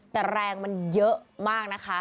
แต่แรงมันเยอะมากนะคะ